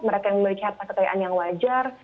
mereka yang memiliki hak hak kekayaan yang wajar